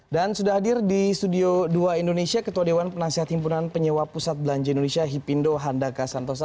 dan sudah hadir di studio dua indonesia ketua dewan penasihat himpunan penyewa pusat belanja indonesia hipindo handaka santosa